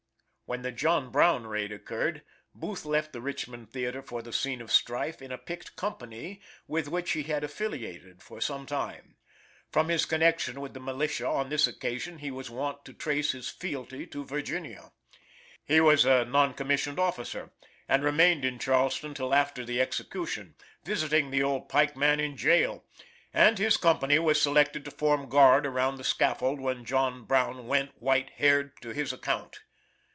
When the John Brown raid occured, Booth left the Richmond Theater for the scene of strife in a picked company with which he had affiliated for some time. From his connection with the militia on this occasion he was wont to trace his fealty to Virginia. He was a non commissioned officer, and remained at Charleston till after the execution, visiting the old pike man in jail, and his company was selected to form guard around the scaffold when John Brown went, white haired, to his account.